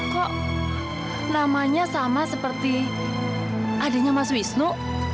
kok namanya sama seperti adiknya mas wisnu